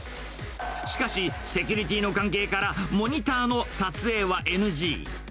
しかし、セキュリティーの関係から、モニターの撮影はＮＧ。